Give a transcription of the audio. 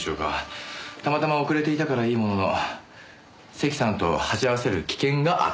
たまたま遅れていたからいいものの関さんと鉢合わせる危険があった。